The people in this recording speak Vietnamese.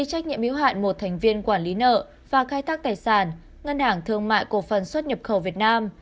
ngày hai mươi tháng tám năm hai nghìn hai mươi một công ty trách nhiệm yếu hạn một thành viên quản lý nợ và khai thác tài sản ngân hàng thương mại cổ phần xuất nhập khẩu việt nam